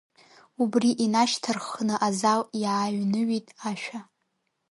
Убри инашьҭарххны азал иааҩныҩит ашәа…